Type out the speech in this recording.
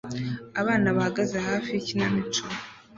Abana bahagaze hafi yikinamico